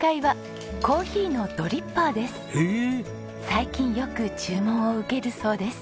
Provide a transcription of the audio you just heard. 最近よく注文を受けるそうです。